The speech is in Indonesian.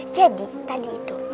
jadi tadi itu